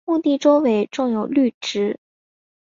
墓地周围种有绿植。